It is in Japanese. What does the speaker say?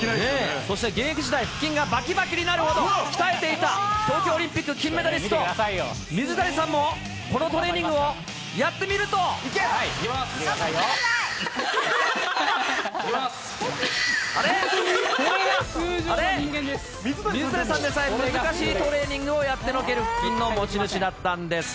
そして現役時代、腹筋がばきばきになるほど鍛えていた東京オリンピック金メダリスト、水谷さんも、このトレーニングをやってみると。いきます。